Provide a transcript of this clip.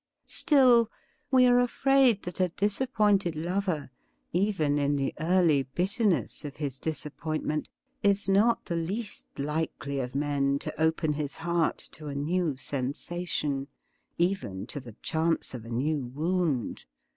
Still, we are afraid that a disappointed lover, even in •the early bitterness of his disappointment, is not the least .likely of men to open his heart to a new sensation, even to the chance of a new wound.